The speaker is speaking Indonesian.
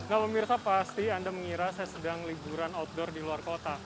nah pemirsa pasti anda mengira saya sedang liburan outdoor di luar kota